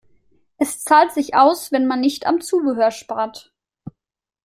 Es zahlt sich aus, wenn man nicht am Zubehör spart.